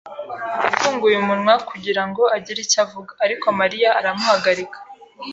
yafunguye umunwa kugira ngo agire icyo avuga, ariko Mariya aramuhagarika.